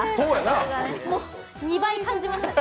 もう２倍感じました。